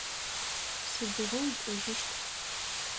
Сыдыгъо укӏожьыщт?